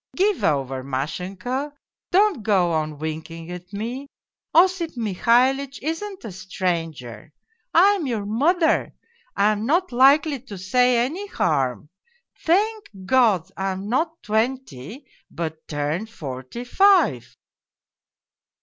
Give over, Mashenka, don't go on winking at me Osip Mihalitch isn't a stranger ! I am your mother, I am not likely to say any harm ! Thank God, I am not twenty, but turned forty five.'